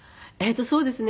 そうですね。